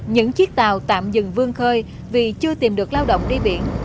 những chiếc tàu tạm dừng vương khơi vì chưa tìm được lao động đi biển